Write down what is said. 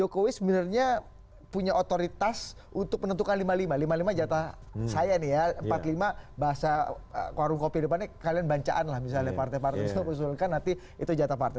karena kalian bancaan lah misalnya partai partai itu usulkan nanti itu jatah partai